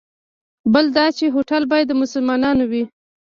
بل دا چې هوټل باید د مسلمانانو وي.